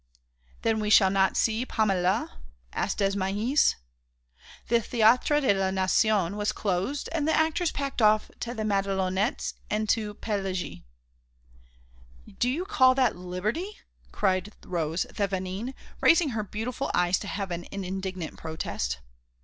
"Then we shall not see 'Paméla'?" asked Desmahis. The Théâtre de la Nation was closed and the actors packed off to the Madelonnettes and to Pélagie. "Do you call that liberty?" cried Rose Thévenin, raising her beautiful eyes to heaven in indignant protest.